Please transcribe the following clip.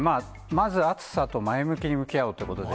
まず暑さと前向きに向き合うということで。